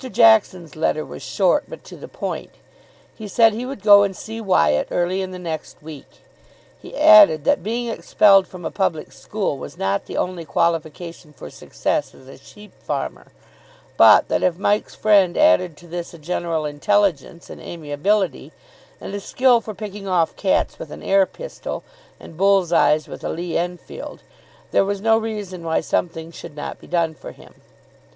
Jackson's letter was short, but to the point. He said he would go and see Wyatt early in the next week. He added that being expelled from a public school was not the only qualification for success as a sheep farmer, but that, if Mike's friend added to this a general intelligence and amiability, and a skill for picking off cats with an air pistol and bull's eyes with a Lee Enfield, there was no reason why something should not be done for him.